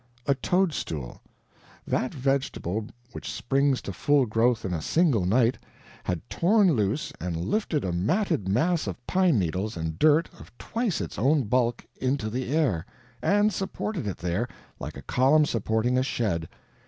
A toadstool that vegetable which springs to full growth in a single night had torn loose and lifted a matted mass of pine needles and dirt of twice its own bulk into the air, and supported it there, like a column supporting a shed.